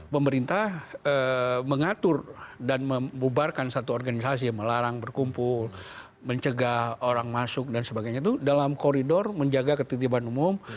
pemerintah mengatur dan membubarkan satu organisasi yang melarang berkumpul mencegah orang masuk dan sebagainya itu dalam koridor menjaga ketitiban umum